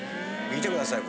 見てください